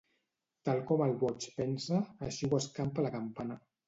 Tal com el boig pensa, així ho escampa la campana.